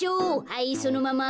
はいそのまま。